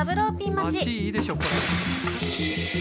待ちいいでしょこれ。